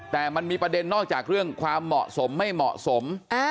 แต่มันมีประเด็นนอกจากเรื่องความเหมาะสมไม่เหมาะสม